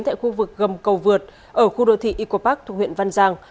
tại khu vực gầm cầu vượt ở khu đô thị eco park thuộc huyện văn giang